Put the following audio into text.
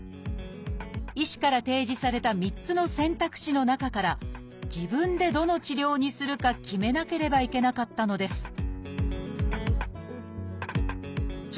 医師から提示された３つの選択肢の中から自分でどの治療にするか決めなければいけなかったのです聴